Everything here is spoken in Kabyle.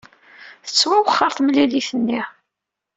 Tettwawexxer temlilit-nni.